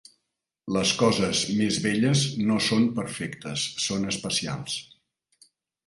Les coses més belles no són perfectes, són especials.